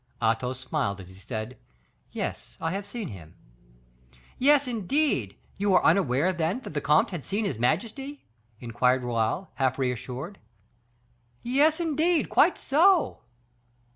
Athos smiled as he said, "Yes, I have seen him." "Ah, indeed; you were unaware, then, that the comte had seen his majesty?" inquired Raoul, half reassured. "Yes, indeed, quite so."